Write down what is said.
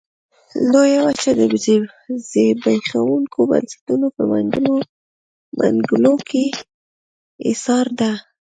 لویه وچه د زبېښونکو بنسټونو په منګلو کې ایساره ده.